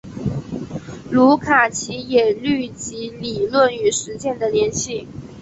卢卡奇也虑及理论与实践的联系。